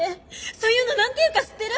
そういうの何て言うか知ってる？